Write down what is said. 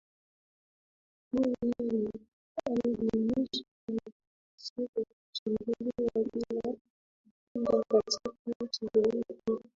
Moi alidumisha urais kwa kuchaguliwa bila kupingwa katika chaguzi